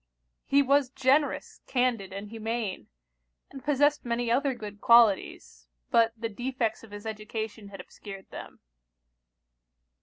He was generous, candid, and humane; and possessed many other good qualities, but the defects of his education had obscured them.